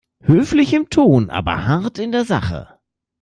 Höflich im Ton, aber hart in der Sache.